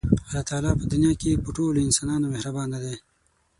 الله تعالی په دنیا کې په ټولو انسانانو مهربانه دی.